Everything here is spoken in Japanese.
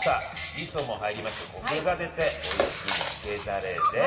みそも入りましてコクが出ておいしいつけだれです！